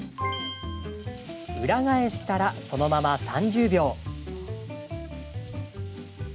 裏返したら、そのまま３０秒。